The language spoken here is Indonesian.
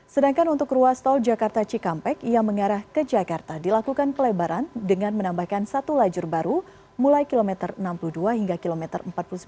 sedangkan untuk ruas tol jakarta cikampek yang mengarah ke jakarta dilakukan pelebaran dengan menambahkan satu lajur baru mulai kilometer enam puluh dua hingga kilometer empat puluh sembilan